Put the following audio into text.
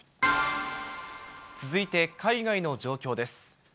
続いて、海外の状況です。